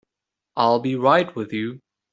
I'll be right with you.